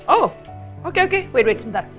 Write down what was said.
oh oke oke wait wait sebentar